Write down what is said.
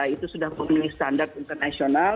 itu sudah memenuhi standar internasional